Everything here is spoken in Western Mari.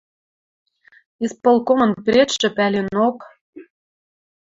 Исполкомын предшӹ, пӓленок